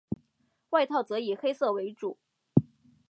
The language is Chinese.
外套则以黑色为主。